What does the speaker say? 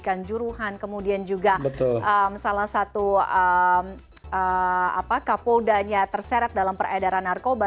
dan juruhan kemudian juga salah satu kapoldanya terseret dalam peredaran narkoba